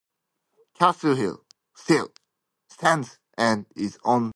Castle Hill still stands and is on the National Register of Historic Places.